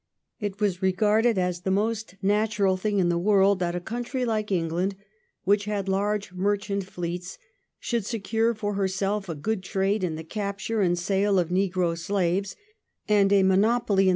It was regarded as the most natural thing in the world that a country like England which had large merchant fleets should secure for herself a good trade in the capture and sale of negro slaves, and a monopoly in 1713 'THE WILD AND GUILTY PHANTASY.'